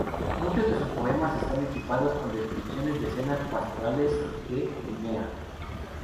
Muchos de sus poemas están equipadas con descripciones de escenas pastorales de Crimea.